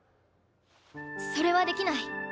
それはできない。